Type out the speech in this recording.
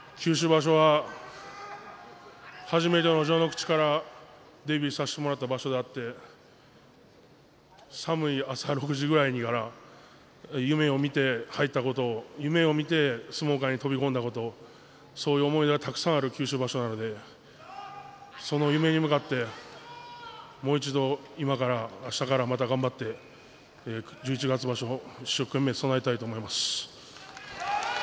九州場所は初めての序ノ口でデビューさせてもらった場所で寒い朝６時ぐらいから夢をみて入った相撲界に飛び込んだそういう思い出がたくさんある九州場所なのでその夢に向かってもう一度、今からあしたから頑張っていく十一月場所に一生懸命備えたいと思います。